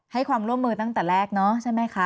ให้ความร่วมมือตั้งแต่แรกเนาะใช่ไหมคะ